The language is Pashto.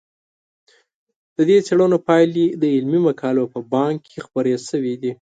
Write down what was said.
د دې څېړنو پایلې د علمي مقالو په بانک کې خپرې شوي دي.